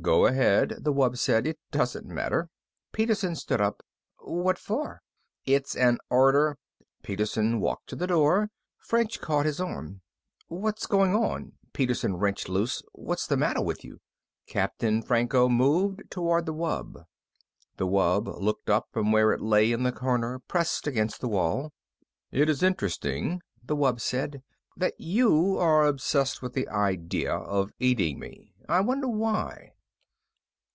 "Go ahead," the wub said. "It doesn't matter." Peterson stood up. "What for?" "It's an order." Peterson walked to the door. French caught his arm. "What's going on?" Peterson wrenched loose. "What's the matter with you?" Captain Franco moved toward the wub. The wub looked up from where it lay in the corner, pressed against the wall. "It is interesting," the wub said, "that you are obsessed with the idea of eating me. I wonder why."